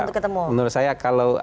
untuk ketemu menurut saya kalau